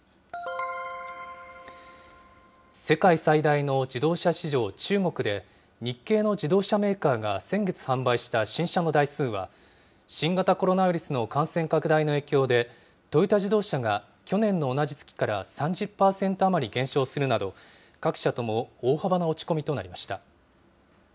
世界最大の自動車市場、中国で、日系の自動車メーカーが先月販売した新車の台数は新型コロナウイルスの感染拡大の影響で、トヨタ自動車が去年の同じ月から３０％余り減少するなど、各社とも大幅な落ち込みとなりました。